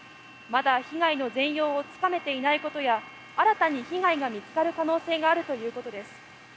まだ被害の全容をつかめていないことや新たに被害が見つかる可能性があるということです。